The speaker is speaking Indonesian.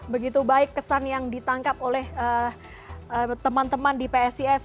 begitu baik kesan yang ditangkap oleh teman teman di psis